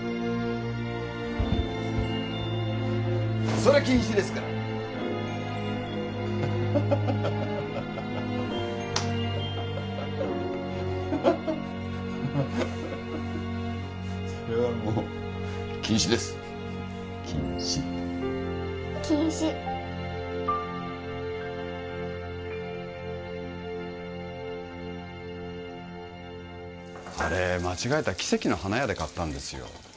それ禁止ですからハハハハハハハハハハハそれはもう禁止です禁止禁止あれ間違えた奇跡の花屋で買ったんですよ